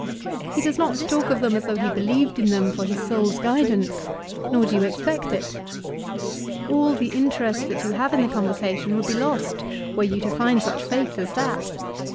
He does not talk of them as though he believed in them for his soul's guidance ; nor do you expect it. All the interest that you have in the conversation would be lost were you to find such faith as that.